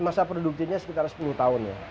masa produktifnya sekitar sepuluh tahun ya